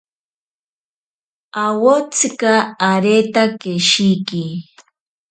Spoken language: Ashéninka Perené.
Awotsika areta keshiki.